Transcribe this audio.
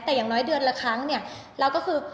แต่อย่างน้อยเดือนละครั้งเนี่ยเราก็คือ